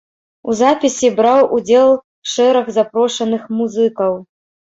У запісе браў удзел шэраг запрошаных музыкаў.